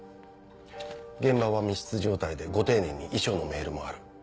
現場は密室状態でご丁寧に遺書のメールもある。